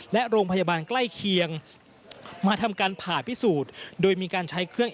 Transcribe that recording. และโรงพยาบาลใกล้เคียงมาทำการผ่าพิสูจน์โดยมีการใช้เครื่อง